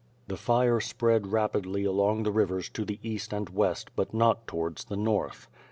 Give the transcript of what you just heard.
The fire spread rapidly along the rivers to the east and west, but not towards the north.